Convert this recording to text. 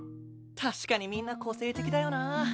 確かにみんな個性的だよな。